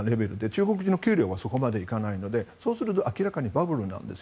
中国人の給料はそこまでいかないのでそうすると明らかにバブルなんです。